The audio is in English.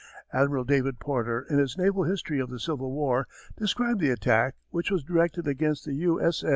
Admiral David Porter in his Naval History of the Civil War described the attack, which was directed against the U.